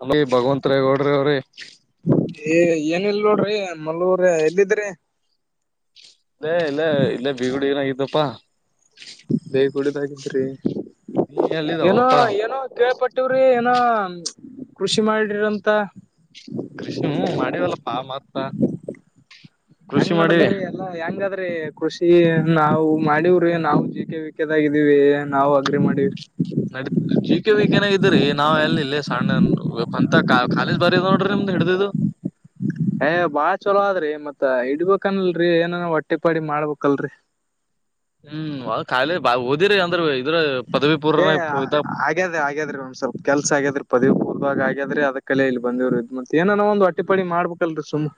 ಹಂಗೆ ಭಗವಂತರೇ ಗೌಡ್ರೆ ಅವ್ರೆ. ಏ ಏನು ಇಲ್ಲ ನೋಡ್ರಿ ಮಲ್ಲು ಅವರೇ ಎಲ್ಲಿದ್ರಿ. ಇಲ್ಲೇ ಇಲ್ಲೇ ಇಲ್ಲೇ ಬೀಗುಡಿನ್ಯಾಗ ಇದ್ವಿಪ. ಬೇಗ ಕುಡಿತ [unintelligible] ನೀ ಏನೋ ಎಲ್ಲಿದಾವಪ್ಪಾ ಏನೋ ಕೇಳ್ಪಟ್ಟ. ಟಿವ್ರಿ ಏನೋ ಕೃಷಿ ಮಾಡ್ರಿರಂತ. ಕೃಷಿ ಹ್ಮ ಮಾಡಿದಲ್ಲ ಪಾ ಮತ್ತ. ಕೃಷಿ ಹೆಂಗ ಮಾಡಿವಿ ನಡದರಿ. ಇಲ್ಲ ಹೆಂಗದ್ರಿ ಕೃಷಿ ನಾವು ಮಾಡವ್ರಿ ನಾವು ಜಿ ಕೆೆ ವಿ ಕೆ ದಾಗ ಇದೀವಿ. ನಾವು ಅಗ್ರಿ ಮಾಡಿವಿ. ನಡಿತ ಜಿ ಕೆ ವಿ ಕೆ ನ್ಯಾಗ ಇದ್ದೀರಿ ನಾವ ಎಲ್ಲಿ ಇಲ್ಲೇ ಸಣ್ಣ. ಅಂತ ಕಾ ಕಾಲೇಜ್ ಬಾರಿ ಅದ ನೋಡ್ರಿ ನಿಮ್ದ ಹಿಡಿದೀದು. ಏ ಬಾಳ ಚಲೋ ಅದ ರಿ ಮತ್ತ ಇಡ್ಬೇಕನ್ಲ್ರರಿ ಏನೇನೋ ಹೊಟ್ಟಿ ಪಾಡಿಗ ಮಾಡ್ಬೇಕಲ್ರರಿ. ಹ್ಮ್ ಅವ ಖಾಲಿ ಬ ಓದಿರಿ ಅಂದ್ರ ಇದ್ರ ಪದವಿ ಪೂರ್ವನಾಗ. [unintelligible] ಆಗೇದ ಆಗೆದ್ರಿ ಒಂದ ಸ್ವಲ ಕೆಲಸ ಆಗ್ಯಾದ್ರ ಪದವಿ ಪೂರ್ವದಾಗ ಆಗ್ಯಾದ್ರಿ ಅದಕ್ಕಲ್ಲೇ ಬಂದಿವರಿ ಇದ ಮತ್ತ ಏನನ ಒಂದ ಹೊಟ್ಟಿ ಪಾಡಿಗ ಮಾಡ್ಬೇಕು. ಬೆಕ್ಕಲ್ರಿ ಸುಮ್ಮ.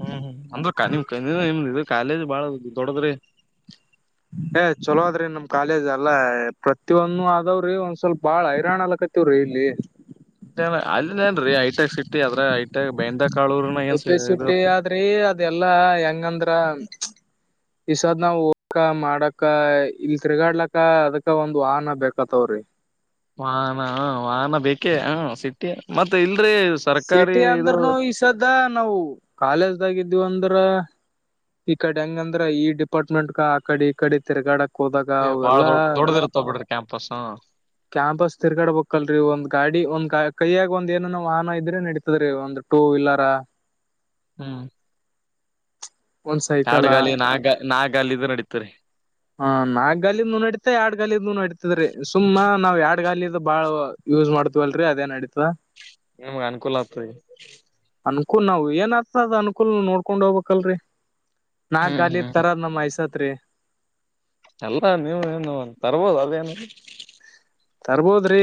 ಹ್ಮ್ ಹ್ಮ್ ಅಂದ್ರು ಕಾ ನಿಮ್ಮ ನಿಮ್ಮ ಕಾಲೇಜ್ ಬಾಳ ದೊಡದ್ರಿ. ಏ ಚಲೋ ಅದ್ರಿ ನಮ್ಮ ಕಾಲೇಜ್ ಎಲ್ಲಾ ಪ್ರತಿಯೊಂದು ಅದವ್ರಿ ಒಂದ ಸ್ವಲ್ಪ ಬಾಳ ಹೈರಾಣ ಆಲಕತಿ. ಇರ್ತೀವಿರಿ ಇಲ್ಲಿ. ಅಂತೇನ ಅಲ್ಲೆನರಿ ಹೈಟೆಕ್ ಸೀಟಿ ಅದರಾಗ ಹೈಟೆಕ್ ಬೆಂದ. ಕಾಳೂರ್ನ ಹೈ ಏನ್ ಪೈ ಇದ ಸಿಟಿ ಅದ್ರಿ ಅದೆಲ್ಲಾ ಹೆಂಗಂದ್ರ. ಇಸದ ನಾವು ಹೋಗಕ ಮಾಡಕ್ಕ ಇಲ ತಿರ್ಗಾಡ್ಲಕ್ಕ ಅದಕ್ಕ ಒಂದ ವಾಹನ ಬೇಕಾತ್ತವ್ರಿ. ವಾಹನ ಹ ವಾಹನ ಬೇಕೇ ಹ ಸಿಟಿ ಮತ್ತೆ ಇಲ್ರಿ ಸರ್ಕಾರಿ ಇದು. ದ [unintelligible] ನಾವು ಕಾಲೇಜದಾಗ ಇದ್ದೀವ ಅಂದ್ರ. ಈಕಡಿ ಹೆಂಗಂದ್ರ ಈ ಡಿಪಾರ್ಟ್ಮೆಂಟ್ ಕ ಆಕಡಿ ಈಕಡಿ ತಿರ್ಗಾಡಕ. ಏ ಬಾಳ ದೊಡ ದೊಡ್ಡದ ಇರತ್ತ ಬಿಡ್ರಿ ಕ್ಯಾಂಪಸ್. ಕ್ಯಾಂಪಸ್ ತಿರಗಾಡಬೆಕ್ಕಲ್ಲರಿ ಒಂದ ಗಾಡಿ ಒಂದ ಗಾ ಕೈಯಾಗ ಒಂದ ಏನನೋ ವಾಹನ ಇದ್ರೆ ನಡತದ ರೀ ಒಂದ. Two wheeler. ಹು. ಒಂದ್ ಸೈಕಲ ಕಾಡಗಾಲಿ ನಾಕ ಗಾಲಿ ನಾಕ ಗಾಲಿ ನಡೀತರೀ. ಹ ನಾಕ ಗಾಲಿದನೂ ನಡತದ ಎರಡ ಗಾಲಿಂದು ನಡತದ್ರಿ ಸುಮ್ಮ ನಾವ ಎರಡ ಗಾಲಿದ ಬಾಳ. ಯೂಸ್ ಮಾಡ್ತವಲ್ರರಿ ಅದೇನ ನಡಿತ. ನಿಮ್ಗ ಅನುಕೂಲ ಆತ್ರೀ. ಅನುಕೂಲ ನಾವ ಏನ ಆತದ ಅನುಕೂಲ ನೋಡ್ಕೊಂಡ ಹೋಗ್ಬೇಕಲ್ರಿ ನಾಕ ಹ್ಮ್ ಗಾಲಿದ ಹ್ಮ್ ತರದ. ನಮ್ಮ ಆಯಿ ಸತ್ತ್ರಿ. ಎಲ್ಲ ನೀವ ಏನು ತರ್ಬೋಹದ ಅದೇನು. ತರಬೊದರಿ.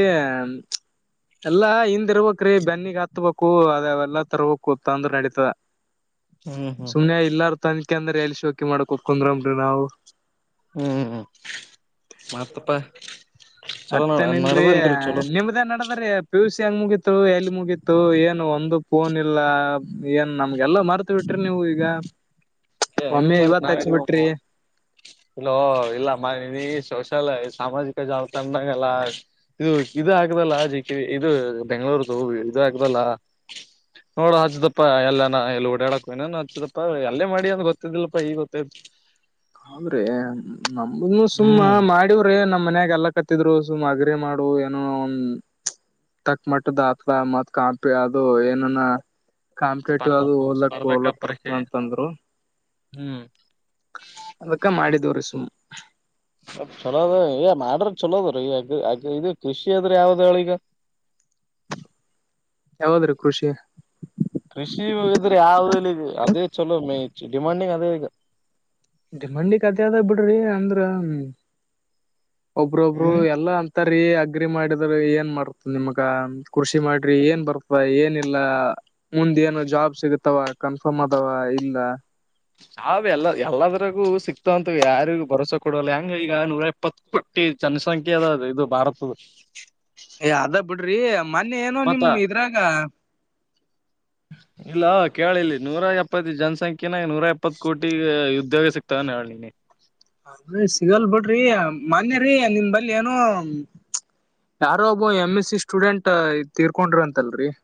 ಎಲ್ಲಾ ಹಿಂದ ಇರ್ಬೇಕ್ರೀ ಬೆನ್ನಿಗ ಹತ್ಬೇಕು ಅದ ಅವೆಲ್ಲಾ ತರಬೇಕು ತಂದ್ರ ನಡೀತದ. ಹ್ಮ್ ಹ್ಮ್ ಸುಮನೆ ಇಲ್ಲಾರ ತಂದಿಕಿಂದ್ರ ಎಲ್ಲ ಶೋಕಿ ಮಾಡ್ಕೋತ ಕುಂದ್ರುಮರಿ ನಾವು. ಹ್ಮ್ ಮತ್ತಪ್ಪ. ಮತ್ತ್ಯಾನ ಇಲ್ಲರಿ ನಿಮ್ದೇನ ನಡದರಿ. ಪಿ ಯು ಸಿ ಹೆಂಗ ಮುಗಿತು ಎಲ್ಲಿ ಮುಗಿತ್ತು ಏನ ಒಂದು ಫೋನ್ ಇಲ್ಲ ಏನ ನಮಗೆಲ್ಲ ಮರ್ತ. ಮರೆತ ಬಿಟ್ರಿ ನೀವು ಇಗ ನಿಮ ಒಮ್ಮೆ ಮರತ್ ಇವತ್ತು ನಾವ ಹಚ್ಚಿ ಬಿಟ್ರಿ. ಇಲ್ಲೋ ಇಲ್ಲ ಮ ಸೋಷಲ್ ಸಾಮಾಜಿಕ ಜಾಲತಾಣಾದಾಗೆಲ್ಲ. ಇದು ಇದ ಹಾಕದಲ್ಲ ಜಿ ಕೆ ಇದ ಬೆಂಗಳೂರುದು ಇದ ಹಾಕದಲ್ಲ. ನೋಡ ಹಚ್ಚ್ದಪ್ಪಾ ಎಲ್ಲಾ ಎಲ್ಲಿ ಓಡಾಡಕ್ ಇನನು ಹಚ್ಚತಪ್ಪಾ ಎಲ್ಲೇ ಮಾಡಿ ಅಂತ [inaudible] ನಮಗೂ ಗೊತ್ತಿದ್ದಿಲ್ಲ ಪಪ್ಪಾ ಈಗ ಗೊತ್ತಾಯ್ತು? [inaudible] ಹಂಗರಿ ನಮ್ಮ ನೀವು ಸುಮ್ಮ ಹ್ಮ್ ಮಾಡಿ [inaudible] ಏ ನಮ್ಮ ಮನ್ಯಾಗ ಎಲ್ಲಾ ಎಲ್ಲಾಕತ್ತಿದ್ರು ಸುಮ್ಮ ಅಗ್ರಿ ಮಾಡು ಏನೋ ಒಂದ [inaudible] [unintelligible] ತಕ್ಕ ಮಟ್ಟದ ಅಪ್ಪ ಅಮ್ಮ ಕಾಪಿ ಅದು ಏನನ [inaudible] ಕಾಂಕ್ರೀಟ್ ಸ್ಪರ್ಧಾ ಅದು ಓವರ ಲ್ಯಾಪ ಓವರ ಸ್ಪರ್ಧಕ ಲ್ಯಾಪ ಬರ್ತದ ಅಂತಂದ್ರು. [inaudible] [unintelligible] ಹೂ [inaudible] ಅದಕ್ಕ ಮಾಡಿದವರು ಸುಮ್ಮ [inaudible] ಸಲ್ಪ ಚಲೋದ ಏ ಮಾಡಿದರ ಚಲೋ ಅದರೀ ಅದ ಇದು ಕೃಷಿ ಅದ್ರ ಯಾವ್ದಾಳಿ ಈಗ [inaudible] ಯಾವದರಿ ಕೃಷಿ. [inaudible] ಕೃಷಿ ಇವಾಗ ಇದ್ದರ ಯಾವುದು ಅದೇ ಚಲೋ ಮೇ ಚ್ಚಿಟಮನಿಗ ಅದೇ ಈಗ [inaudible] ಈ ಮನಿಗ ಅದೇ ಅದ ಬಿಡರಿ ಅಂದರ ಒಬ್ರೊಬ್ರು ಹ್ಮ್ ಎಲ್ಲಾ ಅಂತ [inaudible] ಇದೇರಿ ಅಗ್ರಿ ಮಾಡಿದ್ರ ಏನ್ ಮಾಡ್ತ ನಿಮ್ಮ ಮಗಾ ಕೃಷಿ ಮಾಡ್ರಿ ಏನ್ ಬರ್ತ ಏನಿಲ್ಲಾ? [inaudible] ಮುಂದ ಏನು ಜಾಬ್ ಸಿಗತಾವ ಕನ್ಫರ್ಮ್ ಅದಾವ ಇಲ್ಲ? [inaudible] ಜಾಬ್ ಎಲ್ಲ ಎಲ್ಲದರಗು ಸಿಕ್ತಾವಂತ ಯಾರಿಗು ಭರೋವಸೇ ಕೊಡಲ್ಲ ಹೆಂಗ ಈಗ ನೂರ ಎಪ್ಪತ್ತು [inaudible] ಈ ಜನಸಂಖ್ಯೆ ಅದ ಇದು ಭಾರತದ [inaudible] ಏ ಅದ ಬಿಡ್ರಿ ಮೊನ್ನೆ ಏನೋ ಮತ್ತ ನಿಮ್ಮ ಇದ್ರಾಗ [inaudible] ಇಲ್ಲ ಕೇಳಿಲ್ಲಿ ನೂರ ಎಪ್ಪತ್ ಜನಸಂಖ್ಯೆನ ನೂರ ಎಪ್ಪತ್ತು ಕೋಟಿ ಉದ್ಯೋಗ ಸಿಕ [inaudible] ತ್ತ ನಾ ಹೇಳಿನಿ. [inaudible] ನೀವ ಸಿಗಲ್ ಬಿಡ್ರಿ ಮೊನ್ನೆರಿ ನಿಮ್ಮ ಬಲ್ಲಿ ಏನೋ? [inaudible] ಯಾರೋ ಒಬ್ಬ ಎಂ ಎಸ್ ಸಿ ಸ್ಟೂಡೆಂಟ್ ತೀರ್ಕೊಂಡ್ರಿ ಅಂತಲ್ರರಿ. [inaudible]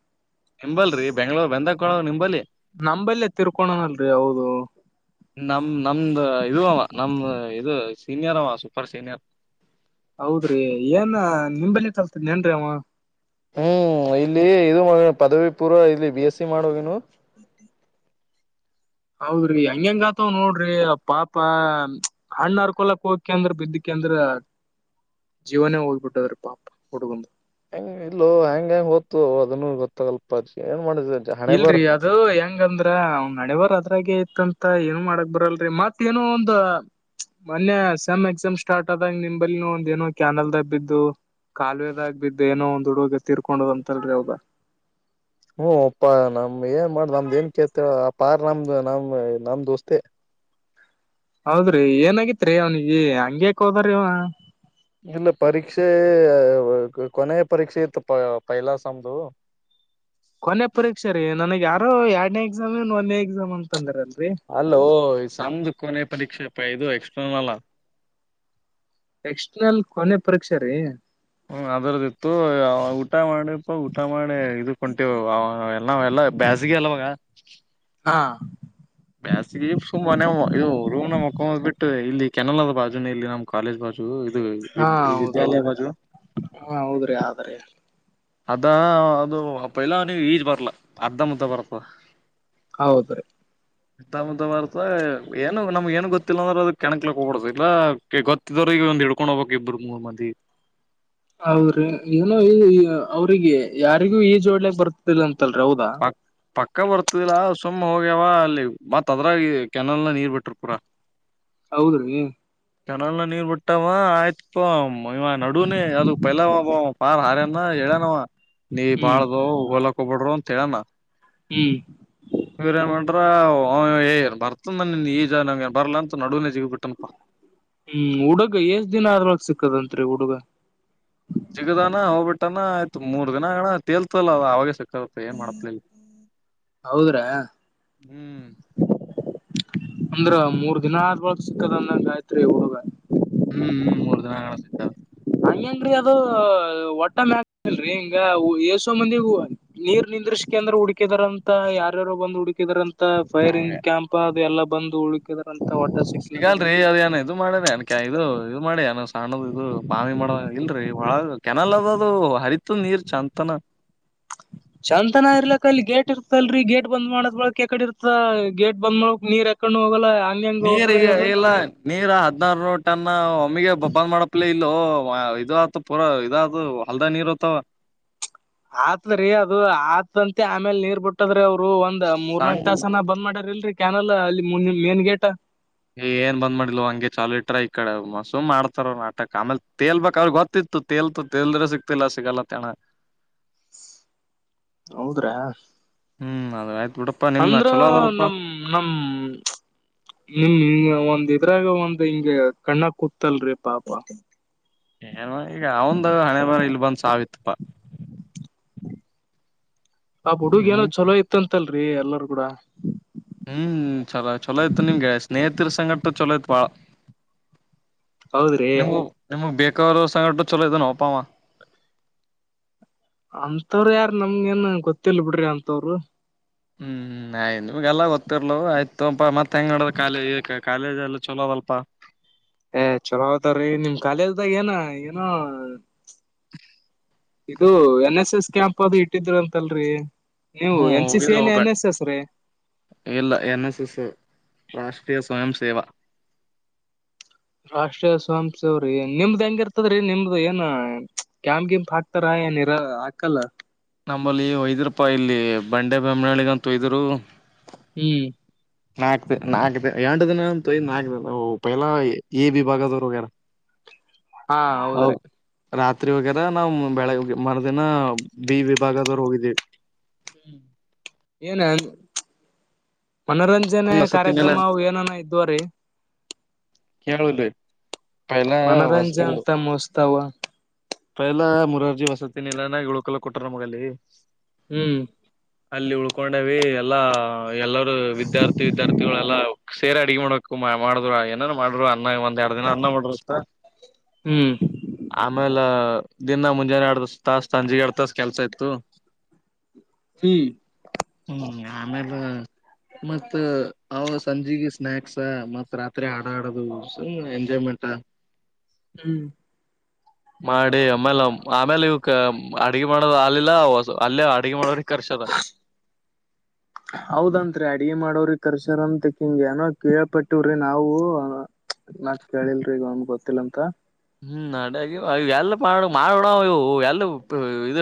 ನಿಂಬಲ್ರಿ ಬೆಂಗ್ಗಳೂರು ಬೆಂದಕ್ಕಳ ನಿಂಬಲ್ಲಿ. [inaudible] ನಂಬಲ್ಲೇ ತಿರ್ಕೊನಡರಾಲ್ರರಿ ಹೌದು? [inaudible] ನಮ್ಮ ನಮ್ದು ಇದು ಅವ ಅವ ನಮ್ಮ ಇದು ಸೀನಿಯರ್ ಅವ ಸೂಪರ್ ಸೀನಿಯರ್ [inaudible] ಹೌದರಿ ಏನ್ ನಿಂಬಲ್ಲಿ ಕಲಿತಿದ್ದ ಏನ್ ರಿ ಅವ [inaudible] ಹೂ ಇಲ್ಲಿ ಇದು ಪದವಿ ಪೂರ್ವ ಇಲ್ಲಿ ಬಿ ಎಸ್ ಸಿ ಮಾಡುವೋಗನು [inaudible] [inaudible] ಅವರಿ ಹೆಂಗ ಹೆಂಗ ಆತವ್ ನೋಡ್ರಿ ಪಾಪ ಹಣ್ಣ ಅರ್ಕೊಲಕ್ ಹೋಗಕ ಅಂದ್ರ ಬಿದ್ದಕ ಅಂದ್ರ [inaudible] ಜೀವನೇ ಹೋಗ್ಬಿಟ್ಟದ್ರ ಪಾಪ ಹುಡುಗು ನಂದ [inaudible] ಹೂ ಈಗಲೂ ಹೆಂಗ ಹೆಂಗ್ ಹೊತ್ತು ಅದನ್ನು ಗೊತ್ತಾ ಆಗಲ್ಲ ಪಾ ಏನ್ ಮಾಡಿದರ ಏನ್ [inaudible] ಇಲ್ರಿ ಅದ [inaudible] ಅದು ಹೆಂಗಂದ್ರ ಅವನ ಹಣೆ ಬರಹ ಅದ್ರಾಗೆ ಇತ್ಂತ ಏನು ಮಾಡಕ್ ಬರಲ್ರಿ ಮತ್ತೇ ಏನೋ ಒಂದ [inaudible] ಮೊನ್ನೆ ಸೇಮ್ ಎಕ್ಸಾಮ್ ಸ್ಟಾರ್ಟ್ ಆದಾಗ ನಿಮ್ಮ ಬಲ್ಲಿ ಒಂದ ಏನೋ ಕ್ಯಾನಲ್ ದಬ್ಬಿದ್ದು, [inaudible] ಕಾಲುವೆದಾಗ ಬಿದ್ದ ಏನೋ ಒಂದ್ ಹುಡುಗ್ಗ ತಿರ್ಕೊಂಡದ ಅಂತಲ್ರಿ ಅವಾಗ? [inaudible] ಹೂ ಒಪ್ಪಾ ನಮ್ ಏನ್ ಮಾಡೋದು ನಮ್ದ ಏನ್ ಕೇಳ್ತ ಆ ಪಾರ್ ನಮ್ದು ನಮ್ ನಮ ದೋಸ್ತರ [inaudible] ಹೌದರಿ ಏನ ಆಗಿತ್ತ ರೀ ಅವನಿಗೆ ಹಂಗ್ಯಾಕ್ ಹೋದರಿ ಅವ [inaudible] ಏನ್ ಪರೀಕ್ಷೆ ಕೊನೆಯ ಪರೀಕ್ಷೆ ಇತ್ತು ಪೈಲ ಸಮ್ದು? [inaudible] ಕೊನೆ ಪರೀಕ್ಷೆ ರೀ ನನಗ್ ಯಾರೋ ಎರಡ್ನೇ ಎಕ್ಸಾಮ್ ಇನ್ ಒಂದನೇ ಎಕ್ಸಾಮ್ ಅಂತಂದ್ರಲ್ರರೀ. [inaudible] ಅಲ್ಲೋ ಈ ಸೆಮ್ದು ಕೊನೆ ಪರೀಕ್ಷೆ ಪಾ ಇದು ಎಕ್ಸ್ಟರ್ನಲ್ಲ. [inaudible] ಎಕ್ಟ್ರಾನಲ್ ಕೊನೆ ಪರೀಕ್ಷೆ ರೀ. ಹೂ ಅದ ಒಂದ ಇತ್ತು ಊಟ ಮಾಡರಿಪ್ಪ ಊಟ ಮಾಡಿ ಇದಕ್ಕ ಹೊಂಟೆವ್ ಮಾವ ನಾವ ಎಲ್ಲ ಎಲ್ಲ [inaudible] ಬ್ಯಾಸಗಿ ಅಲ್ಲವಾಗ? [inaudible] ಹಾ [inaudible] ಬೇಸಿಗೆ ಸುಮ್ಮನೆ ಮನ್ಯಾಗ ಮ ಇದು ರೂಮ್ ನ್ಯಾಗ ಮಕ್ಕೋಳೋದು ಬಿಟ್ಟು ಇಲ್ಲಿ ಕೆನಲದ ಬಾಜುನ ಇಲ್ಲಿ ನಮ್ಮ [inaudible] ಕಾಲೇಜ್ ಬಾಜು ಇದು ಹಾ ವಿದ್ಯಾಲಯ ಹೌದೌದ್ರಿ ಬಾಜು? [inaudible] ಹಾ ಹೌದ್ರಿ ಆದದ್ರೀ ಅದ ಅದು ಅಪ್ಪ ಇಲ್ಲ ಅವ ನೀವು ಈಜ್ ಬರ್ಲಾ ಅರ್ಧ ಮುದ್ದ ಬರ್ತವ ಹೌದ ರೀ ಮತ್ತ ಮುತ್ತ ಬಾರತ ಏನು ನಮ್ಗ ಏನ್ ಗೊತ್ತಿಲ್ಲ ಅಂದ್ರೆ ಅದ ಕೆಣಕಲಿ ಹೋಗ್ಬಿಡ್ತ ಇಲ್ಲಾ ಗೊತ್ತಿದವ್ರ ಈ ಒಂದ ಹಿಡ್ಕೊಂಡ್ ಹೋಗಬೇಕಕ್ ಇಬರು ಮೂರ್ ಮಂದಿ ಹೌದ್ರಿ ಏನೋ ಈ ಅವ್ರಿಗೆ ಯಾರಿಗೂ ಈಜೋಡ್ಲಿಕ್ ಬರ್ತಿಲ್ಲ ಅಂತಲ್ರಿ ಹೌದಾ ಪಕ್ ಪಕ್ಕ ಬರ್ತದಿಲ್ಲ ಸುಮ್ಮ್ ಹೋಗ್ಯಾವ ಅಲ್ಲಿ ಮತ್ದ್ರ ಕೆನಲ್ ನಲ್ಲಿ ನೀರ್ ಬಿಟರು ಪೂರಾ ಹೌದ್ರೀ ಚನಲ್ ನಲ್ಲಿ ನೀರ್ ಬಿಟ್ಟವ ಆಯ್ತು ಇ ಇವ ನಡುನೇ ಅದಕ್ ಪೈಲ ಪಾರ್ ಹಾರನ ಹೇಳನವ ನೀ ಹ್ಮ್ ಬಾಳ್ಗೊ ಹೊಲಕ್ಕೋಗ್ಬಿಡರೊ ಅಂತ ಹೇಳಣ ಹ್ಮ್ ಇವ್ರ ಏ ಮಾಡನ್್ರ ಏ ಬರ್ತನ್ ಈಜ ನಂಗನ್ ಬರ್ಲಾ ಅಂತ ನಡುವೆನೇ ಜಿಗ ಬಿಿಟ್ಟನ್ ಅಪ್ಪ ಹ್ಮ್ ಹುಡುಗ ಏಷ್ಟ್ ದಿನ ಆದ್ಮೇಲೆ ಸಿಕ್ದಂತ್ರಿ ಹುಡುಗ ಜಿಗದಾನ ಹೋಗ್ಬಿಟ್ಟಾನ ಆಯ್ತು ಮೂರ್ ದಿನ ಹಣ ತೇಲ್ತಲ್ಲ ಅ ಅವಾಗೆ ಸ್ವಲ್ಪ ಏನ್ ಮಾಡತ್ಲಿಲ್ಲ ಹೌದ್ರ ಹ್ಮ್ ಅಂದ್ರ ಮೂರ್ ದಿನ ಆದ ಬಳಗ್ ಸಿಕ್ಕದಂದಂಗ ಆಯತ್ರಿ ಒಳಗ ಹ್ಮ್ ಹ್ಮ್ ಮೂರ್ ದಿನ ಸಿಕ್ಕವನ ಹಂಗೇನ್ರರಿ ಅದು ಒಟ್ಟ ಮ್ಯಾಕ್ಲ್ರರಿ ಹಿಂಗ ಏಸೋ ಮಂದಿ ಹೂ ನೀರ್ ನಿಂದ್ರಿಸ್ಕೆಅಂದ್ರ ಹುಡಕಿದಾರ ಅಂತ ಯಾರ್ಯಾರು ಬಂದು ಹುಡುಕಿ. ಹಕಿದಾರಂತ ಫೈರಿಂಗ್ ಕ್ಯಾಂಪ್ ಅದು ಎಲ್ಲ ಬಂದು ಉಳುಕಿದಾರಂತ ಒಟ ಸಿಕ್ಕಲ ಅಂತಲ. ಸಿಗಲ್ರಿ ಅದೇನ ಇದು ಮಾಡಿ ಅನ್ ಇದು ಇದು ಮಾಡಿ ಸಣ್ಣದ ಇದು ಬಾಮಿ ಮಾಡ ಇಲ್ರಿ ಒ ಕೆನಲ್ ಅದ ಅದು ಹರಿ. ತುನೀರ್ ಚಾನ್ತನ. ಚಂತನ ಇರ್ಲಾಕ್ ಅಲ್ಲಿ ಗೇಟ್ ಇರ್ತಲ್ರಿ ಗೇಟ್ ಬಂದ್ ಮಾಡದ್ ಬಳಕ್ ಯಕಡೆ ಇರ್ತ ಗೇಟ್ ಬಂದ್ ಮಾಡಕ್ ನೀರ್. ಕಣ್ಣು ಹೋಗಲ್ಲ. ಹಂಗ ಹೆಂಗ ಹೋಗ್ತದ್ರಿ ನೀರಿಗೆ ಅದು ಇಲ್ಲಾ. ನೀರು ಹದ್ನರ್ನುರ ಟನ್ ಒಮ್ಮಿಗೆ ಬಂದ್ ಮಾಡಪ್ಲ ಇಲ್ಲೊ ಇದು ಆತ. ಪೂರಾ ಇದಾದದು ಹೊಲ್ದ ನೀರು ಹೊತ್ತಾವ. ಅತದ್ರಿ ಅದು ಆತಂತೆ ಆಮೇಲ್ ನೀರ್ ಬುಟ್. ಟ್ಟದ್ರೀ ಅವ್ರು ಒಂದ್ ಸಣ್ ಮೂರ್ನಾಕ್ ತಾಸನ ಬಂದ್ ಮಾಡ್ಯಾರ ಇಲ್ರರಿ ಕ್ಯಾನಲ್ ಅಲ್ಲಿ ಮೇನ್ ಗೇಟ್. ಏನ್ ಬಂದ್ ಮಾಡಿಲ್ಲೊ ಹಂಗ್. ತುತೇಲ್ ತೇಲ್ದ್ರ ಸಿಗ್ತಿಲ್ಲ ಸಿಗಲ್ಲ ತಣ. ಹೌದ್ರಾ. ಹ್ಮ್ ಅದ ಆಯ್ತು ಬಿಡಪ್ಪಾ ನಿಮ್ದ ನಾ ಅಂದ್ರ ಚಲೋದಲ್ಪ್ಪಾ. ನಮ್ ನಮ್. [inaudible] ಒಂದ್ ಇದ್ರಾಗ ಒಂದ್ ಹಿಂಗ ಕಣ್ಣ ಕೂತಲ್ರಿ ಪಾಪ. ಏನು ಈಗ ಅವಂದ ಹಣೆ ಬಾರ ಇಲ್ ಬಂದ್ ಸಾವಿತ್ತಪ್ಪಾ. ಆ ಹುಡುಗ ಏನೋ ಹ್ಮ್ ಚೊಲೋ ಇತ್ತಂತಲ್ರಿ ಎಲ್ಲರ ಗೂಡ. ಹ್ಮ್ ಚಲೋ ಚಲೋ ಆಯತು ನಿಮ್ಗೆ ಸ್ನೇಹಿತರ ಸಂಘಟ ಚಲೋ ಆತ್ ಬಾಳ. ಹೌದ್ರಿ ನೀವು ನಿಮಗ್ ಬೇಕರ ಸಂಘಟ ಚಲೋ ಇದ ನೊಪವ. ಅಂತವ್ರು ಯಾರ ನಮ್ಗ ಏನ್ ಗೊತ್ತಿಿಲ್ಲ ಬಿಡ್ರಿ ಅಂತವ್ರು [inaudible] ನಾ ನಿಮಗೆಲ್ಲ ಗೊತ್ತಿರ್ಲ ಆಯ್ತುಪಾ ಮತ್ ಹೆಂಗಡ ಕಾಲ ಕಾಲೇಜ್ ಎಲ್ಲ ಚಲೋದಲ್ಪ ಏ ಚಲೋ ಆತಾವ್ರೀ ನಿಮ್ ಕಖಾಲಿಲ್ದಾಗ ಏನ ಏನೋ ಇದು ಎನ್ ಎಸ್ ಎಸ್ ಕ್ಯಾಂಪ್ ಅದು ಇಟ್ಟಿದ್ರ ಅಂತಲ್ರಿ ನೀವು ಹ್ಮ್ ಎನ್ ಸಿ ಸಿ ಹೋಗಿದ್ದೆ ಏನ್ ಬ ಎನ್ ಎಸ್ ಎಸ್ ರೀ ಇಲ್ಲ ಎನ್ ಎಸ್ ಎಸ್ ರಾಷ್ಟ್ರೀಯ ಸ್ವಯಂ ಸೇವಾ. ರಾಷ್ಟ್ರೀಯ ಸ್ವಯಂ ಸೇವಾ ರಿ ನಿಮ್ದ್ ಹೆಂಗಿರ್ತದ್ರೀ ನಿಮ್ದ ಏನ ಕ್ಯಾಂಪ್ ಗಿಪ ಹಾಕ್ ತ್ತರ ನಿರಾ ಹಾಕಲ್ಲ. ನಂಬಲ್ಲಿ ಒಯದ್ಯರಪ ಇಲ್ಲಿ ಬಂಡೆ ದೊಮ್ಮನಳ್ಳಿಗ್ಗ್ ಅಂತ ಒಯ್ದೂರು. ಹ್ಮ್ ನಾಕ್ ದೀ ನಾಕ್ ದೀ ಎಂಟ ದಿನ ಅಂತ ಒಯ್ದ ನಾಕ್ ಓ ಪೈಲಾ ಎ ವಿಭಾಗದವ್ರ ಹೋಗ್ಯಾರ್. ಹಾ ಹೌದ್ರೀ. ರಾತ್ರಿ ಹೋಗ್ಯಾರ್ ನಾವ ಬೆಳಗ್ಗೆ ಹೋಗಿವಿ ಮರ್ದಿನಾ ಬಿ ವಿಭಾಗದವರು ಹೋಗಿದೀವಿ. ಏನ ಮನೋರಂ ರಂಜನೆ ವಸತಿನೆಲ್ಲ ಕಾರ್ಯಕ್ರಮ ಅವು ಏನೇನೋ ಇದ್ದುವ್ರಿ. ಕೇಳು ಇಲ್ಲಿ ಪೈಲಾ. [inaudible] ನಮ್ಮುವ್ ಹೊಸ್ದಾವ್ ಪೈಲಾ ಮುರಾರ್ಜಿ ವಸತಿ ನಿಲಯಾನಾಗ್ ಊಳಕೊಳ್ಳಾಕ್ಕ ಕೊಟ್ಟ್ರ ನಮಗ್ ಅಲ್ಲಿ. ಹ್ಮ್ ಅಲ್ಲಿ ಉಳ್ಕೊಂಡೇವಿ ಎಲ್ಲಾ ಎಲ್ಲರೂ ವಿದ್ಯಾರ್ಥಿ ವಿದ್ಯಾರ್ಥಿಗಳೆಲ್ಲಾ ಸೇರ ಅಡಿಗಿ ಮಾಡಕ್ ಮಾ ಮಾಡ್ದೂರ ಏನ ಏನ್ ಮಾಡುರ್ ಅನ್ನ ಒಂದ್ ಯಾಡ ದಿನ ಅನ್ನ [unintelligible] ಹ್ಮ್ ಆಮೇಲ್ ಇಲ್ಲ ದಿನ ಮುಂಜಾನೆ ಯಾಡ ತಾಸ್ ಸಂಜಿಗ್ ಯಾಡ್ ತಾಸ ಕೆಲ್ಸಾ ಇತ್ತು. ಹ್ಮ್ ಹ್ಮ್ ಆಮೇಲ ಮತ್ ಅವ ಸಂಜಿಗಿ ಸ್ನ್ಯಾಕ್ಸ್ ಮತ್ ರಾತ್ರಿ ಹಾಡಾ ಹಾಡದು ಸುಮ್ಮ ಎಂಜಾಯ್ಮೆಂಟ್ ಹ್ಮ್ ಮಾಡಿ ಆಮೇಲ ಆಮೇಲ ಇವ್ಕ ಅಡ್ಗಿ ಮಾಡೋದ ಆಗ್ಲಿಲ್ಲ ಅಲ್ಲೇ ಅಡ್ಗಿ ಮಾಡೋರಿಗ್ ಕರ್ಸ್ಯದ. ಹೌದಂತ್ರಿ ಅಡಗಿ ಮಾಡವ್ರಿಗ್ ಕರ್ಸ್ಯಾರ್ ಅಂತ್ ಖಿಂಗ್ ಏನೋ ಕೇಳ್ಪಟ್ಟಿವ್ರಿ ನಾವು ಮತ್ತ ಕೇಳಿಲ್ರಿ ಈಗ ಅವ್ನ್ಗ ಗೊತ್ತಿಲ್ಲ ಅಂತ ಹ್ಮ್ ನಾಡಾಗಿ ಅವ ಎಲ್ಲ ಮಾಡ ಮಾಡ ಉಣವ ಇವೂ ಎಲ್ಲಿ ಬ ಇದ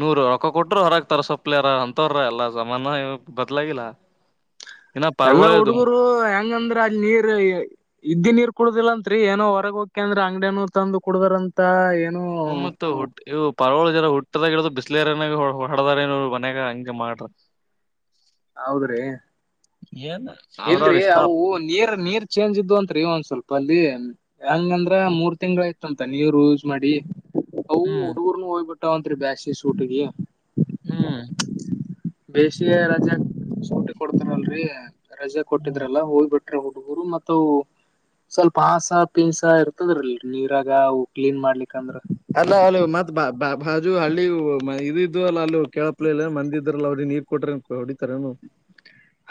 ನೂರ ರೊಕ್ಕ ಕೊಟ್ರ ಹೊರಗ್ ತರ್ಸಪ್ಲೆ ಹರಾ ಹಂತವ್ರ್ ಹರಾ ಎಲ್ಲ ಝಮಾನಾ ಬದ್ಲಾಗಿಲ್ಲ. ಇನ್ನ ಎಲ್ಲಾ ಪರ್ಗೊಳ ಇದು ಹುಡುಗೂರು ಹೆಂಗಂದ್ರ ಅಲ್ಲಿ ನೀರ್ ಇದ್ದಿ ನೀರ್ ಕುಡೊದಿಲ್ಲ ಅಂತ್ರಿ ಏನೋ ಹೊರಗ ಹೊಕ್ಕೆಂದ್ರ ಅಂಗಡ್ಯಾನೂ ತಂದು ಕುಡುದಾರಂತ ತ್ತ ಏನು ಹುಮ್ಮತ್ ಇವು ಪಾರ್ಗೋಳ್ ಜರಾ ಹುಟ್ಟಿದಾಗ ಇಡ್ದು ಬಿಸ್ಲೇರಿನ್ಯಾಗೆ ಹೊ ಹೊ ಹಡದಾರ ಏನೋ ಅವ್ರ ಮನ್ಯಾಗ ಹಂಗೆ ಮಾಡ್ರಿ ಹೌದ್ರಿ. ಏನ? ಇಲ್ರಿ ಅವು ನೀರ್ ನೀರ್ ಚೇಂಜ್ ಇದ್ದು ಅಂತ್ರಿ ಒಂದ್ ಸ್ವಲ್ಪ ಅಲ್ಲಿ ಹೆಂಗಂದ್ರ ಮೂರ್ ತಿಂಗ್ಗಳ ಆಯ್ತ ಅಂತ ನೀರ್ ಯುಸ್ ಮಾಡಿ ಅವು ಹ್ಮ್ ಹುಡುಗರ್ನು ಹೋಗ್ಬಿಟ್ಟ ಹೋಗ್ಬಿಟ್ಟವ್ ಅಂತ್ರಿ ಬ್ಯಾಸ್ಗಿ ಸುಟ್ಟಿಗಿ. ಹ್ಮ್ ಬೇಸಿಗೆ ರಜೆ ಸೂಟಿ ಕೊಡ್ತರಲ್ರಿ ರಜೆ ಕೊಟ್ಟಿದ್ರಲ್ಲ ಹೋಗ್ಬಿಟ್ರ ಹುಡುಗೂರು ಮತ್ತ ಅವೂ ಸ್ವಲ್ಪ ಆಸ ಪೀಸ ಇರ್ತದ್ರಲ್ರಿ ನೀರಾಗ ಅವೂ ಕ್ಲೀನ್ ಮಾಡ್ಲಿಕ ಅಂದ್ರ ಅಲ್ಲ [unintelligible] ಇವು ಮತ್ ಬಾ ಬಾ ಬಾಜು ಹಳ್ಳಿ ಇವು ಇದು ಇದ್ದುವು ಅಲ್ಲ ಅಲ್ಲ ಕೇಳಪ್ಲೆ ಇಲ್ಲ ಮಂದಿದ್ರ ಇಲ್ಲ ಅವ್ರಿಗ್ಗ್ ನೀರ್ ಕೊಡ್ರಿ ಅಂತ್ ಹೊಡಿತಾರ ಏನ್ ಅವ್ರ?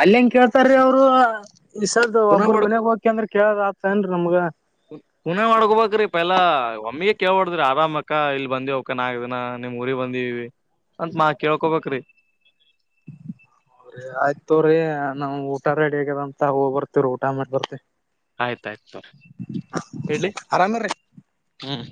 ಅಲ್ಲಿ ಹೆಂಗ ಕೇಳ್ತಾರೀ ಅವ್ರು ಆ ಈಸದ್ದ ಪುನಃ ಒಬ್ಬರ ಮಾಡ ಮನ್ಯಾಗ್ ಹೋಕಿ ಅಂದ್ರ ಕೇಳದ ಆತದ ಏನ್ರಿ ನಮ್ಗ? ಖುನಾ ಮಾಡ್ಕೋಬೇಕ್ರಿ ಪೈಲಾ ಒಮ್ಮಿಗೆ ಕೇಳ್ಬಡ್ದ್ರಿ ಆರಾಮ ಅಕ್ಕ ಇಲ್ ಬಂದಿವ ಅಕ್ಕಾ ನಾಕ್ ದಿನಾ ನಿಮ್ ಊರಿಗೆ ಬಂದೀವಿ ಅಂತ್ ನಾ ಕೇಳ್ಕೊಬೇಕ್ರಿ. ಆಯ್ತ ತಗೋರಿ ನಾವ್ ಊಟ ರೆಡಿ ಆಗ್ಯದಂತ ಹೋಗ್ ಬರ್ತವ್ರ ಊಟ ಮಾಡ ಬರ್ತಿವಿ ಆಯ್ತಾ ಆಯ್ತ್ ತಗೋರಿ ಹೇಳಿ ಆರಾಮಿರಿ ಹ್ಮ್ಮ್